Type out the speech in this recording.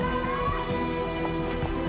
they yang biji nolak banget